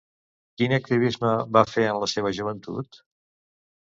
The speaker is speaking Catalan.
Quin activisme va fer en la seva joventut?